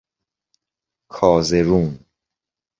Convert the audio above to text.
کازرون